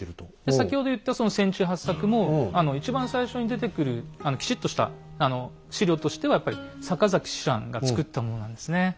先ほど言ったその船中八策も一番最初に出てくるきちっとした史料としてはやっぱり坂崎紫瀾が作ったものなんですね。